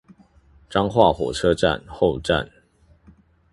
彰化火車站後站